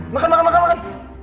makan makan makan makan